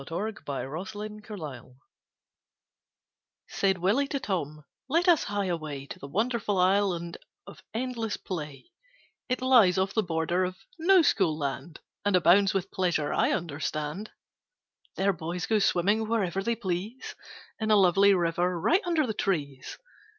THE ISLAND OF ENDLESS PLAY SAID Willie to Tom, 'Let us hie away To the wonderful Island of Endless Play. It lies off the border of "No School Land," And abounds with pleasure, I understand. There boys go swimming whenever they please In a lovely river right under the trees.